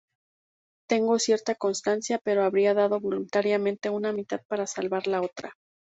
Tengo cierta constancia, pero habría dado voluntariamente una mitad para salvar la otra".